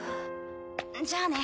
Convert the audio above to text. じゃあね。